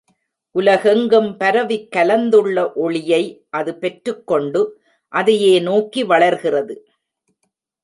உலகெங்கும் பரவிக் கலந்துள்ள ஒளியை அது பெற்றுக்கொண்டு அதையே நோக்கி வளர்கிறது.